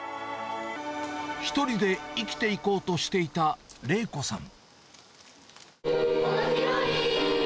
一人で生きていこうとしていた玲子さん。